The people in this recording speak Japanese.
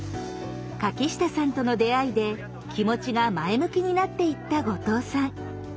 柿下さんとの出会いで気持ちが前向きになっていった後藤さん。